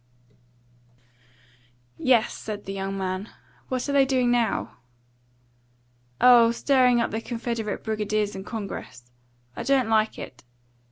"Yes," said the young man. "What are they doing now?" "Oh, stirring up the Confederate brigadiers in Congress. I don't like it.